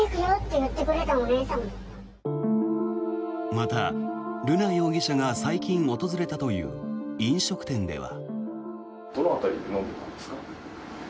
また、瑠奈容疑者が最近訪れたという飲食店では。